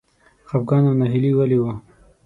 خپګان او ناهیلي ولې و؟